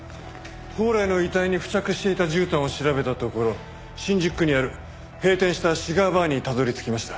宝来の遺体に付着していた絨毯を調べたところ新宿区にある閉店したシガーバーにたどり着きました。